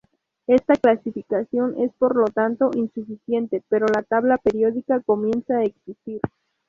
Esta clasificación es por lo tanto insuficiente, pero la tabla periódica comienza a existir.